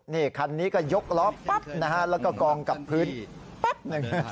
นี่คันนี้ก็ยกล้อปั๊บนะฮะแล้วก็กองกับพื้นแป๊บหนึ่ง